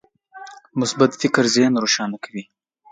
مثبت فکر ذهن روښانه کوي.